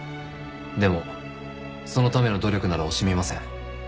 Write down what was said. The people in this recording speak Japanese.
でもそのための努力なら惜しみません。